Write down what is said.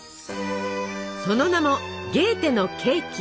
その名も「ゲーテのケーキ」！